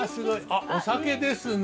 あっお酒ですね。